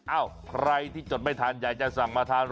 เอ้าใครที่จดไม่ทันอยากจะสั่งมาทาน